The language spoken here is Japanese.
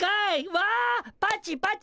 わパチパチ。